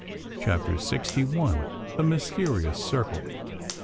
CHAPTER SIXTY ONE. THE MYSTERIOUS CIRCLE.